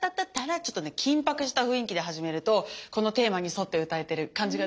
ちょっとね緊迫した雰囲気で始めるとこのテーマに沿って歌えてる感じが出ますよね。